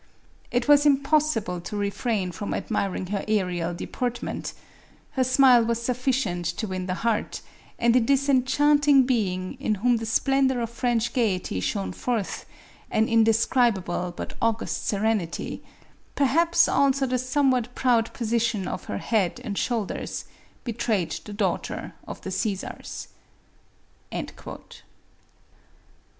It was impossible to refrain from admiring her aerial de portment :— her smile was sufficient to win the heart ; and in this enchanting being, in whom the splendor of French gayety shone forth, — an indescribable but au gust serenity — perhaps also the somewhat proud posi tion of her head and shoulders, betrayed the daughter of the Caesars."